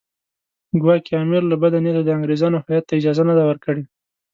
ګواکې امیر له بده نیته د انګریزانو هیات ته اجازه نه ده ورکړې.